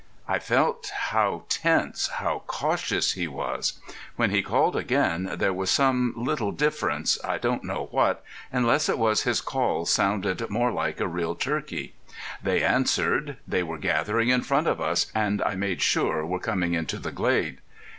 I felt how tense, how cautious he was. When he called again there was some little difference, I don't know what, unless it was his call sounded more like a real turkey. They answered. They were gathering in front of us, and I made sure were coming into the glade.